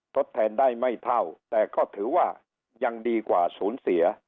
ทดแทนได้ไม่เท่าแต่ก็ถือว่ายังดีกว่าศูนย์เสีย